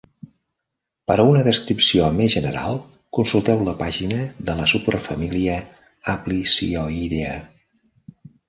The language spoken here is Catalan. Per a una descripció més general, consulteu la pàgina de la superfamília Aplysioidea.